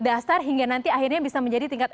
dasar hingga nanti akhirnya bisa menjadi tingkat